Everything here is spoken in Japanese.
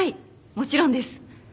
もちろんです。